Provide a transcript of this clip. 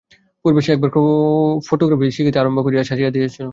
পূর্বে সে একবার ফোটোগ্রাফি শিখিতে আরম্ভ করিয়া ছাড়িয়া দিয়াছিল।